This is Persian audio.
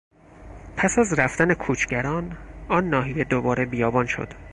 پس از رفتن کوچگران، آن ناحیه دوباره بیابان شد.